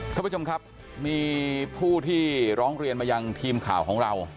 ท่านผู้ชมครับมีผู้ที่ร้องเรียนมายังทีมข่าวของเรา